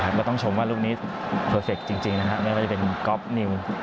ก็ต้องชมว่ามีลูกนี้เพอร์เฟคจริงนะครับหรือไม่กันที่เป็นกร็อลนิว